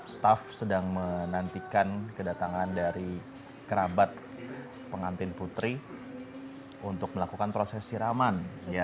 staff sedang menantikan kedatangan dari kerabat pengantin putri untuk melakukan proses siraman